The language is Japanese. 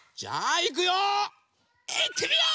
いってみよう！